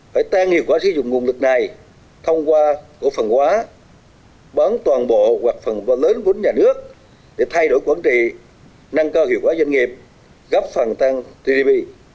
phải tăng hiệu quả sử dụng nguồn lực này thông qua cổ phần hóa bán toàn bộ hoặc phần lớn vốn nhà nước để thay đổi quản trị nâng cao hiệu quả doanh nghiệp góp phần tăng gdp